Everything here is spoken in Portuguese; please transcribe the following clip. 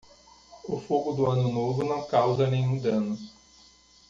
O fogo do Ano Novo não causa nenhum dano.